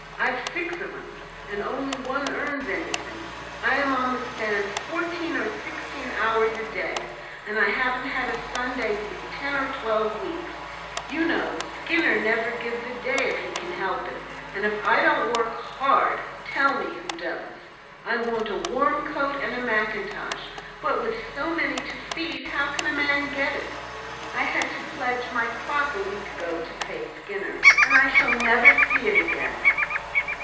I've six of 'em, and only one earns anything; I am on the stand fourteen or sixteen hours a day, and I haven't had a Sunday these ten or twelve weeks; you know Skinner never gives a day if he can help it, and if I don't work hard, tell me who does! I want a warm coat and a mackintosh, but with so many to feed how can a man get it? I had to pledge my clock a week ago to pay Skinner, and I shall never see it again."